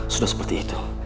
sudah seperti itu